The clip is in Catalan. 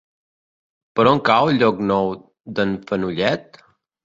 Per on cau Llocnou d'en Fenollet?